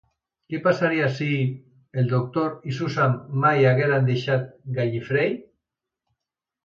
Què passaria si... el Doctor i Susan mai hagueren deixat Gallifrey?